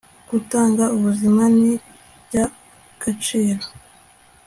gutanga ubuzima ni bya agaciro